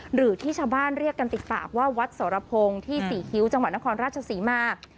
หรือที่ชาวบ้านเรียกกันติดปากว่าวัดสรพงศ์ที่๔คิ้วจังหวัดนครราชศรีมา